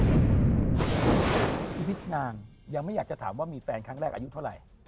ชีวิตนางยังไม่อยากจะถามว่ามีแฟนครั้งแรกอายุเท่าไหร่